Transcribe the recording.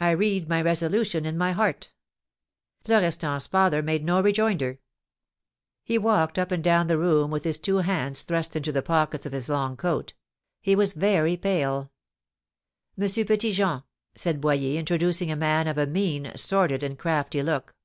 "I read my resolution in my heart." Florestan's father made no rejoinder. He walked up and down the room with his two hands thrust into the pockets of his long coat. He was very pale. "M. Petit Jean," said Boyer, introducing a man of a mean, sordid, and crafty look.